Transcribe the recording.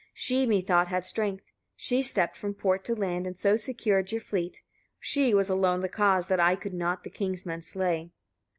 She methought had strength, she stept from port to land, and so secured your fleet. She was alone the cause that I could not the king's men slay.